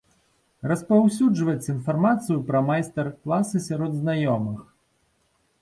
Распаўсюджваць інфармацыю пра майстар-класы сярод знаёмых.